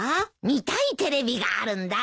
見たいテレビがあるんだ。